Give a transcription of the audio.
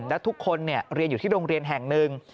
และทุกคนเรียนอยู่ที่โรงเรียนแห่งหนึ่ง